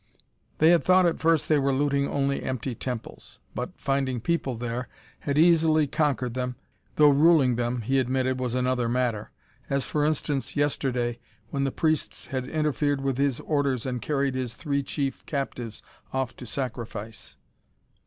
They had thought at first they were looting only empty temples but, finding people there, had easily conquered them, though ruling them, he admitted, was another matter. As, for instance, yesterday, when the priests had interfered with his orders and carried his three chief captives off to sacrifice.